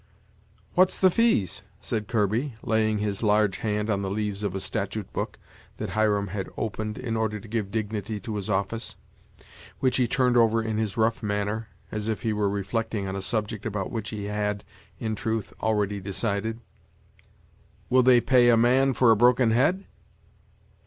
"What's the fees?" said Kirby, laying his large hand on the leaves of a statute book that Hiram had opened in order to give dignity to his office, which he turned over in his rough manner, as if he were reflecting on a subject about which he had, in truth, already decided; "will they pay a man for a broken head?"